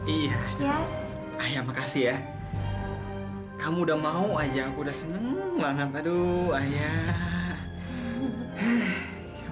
iya ayah makasih ya kamu udah mau aja aku udah seneng banget aduh ayah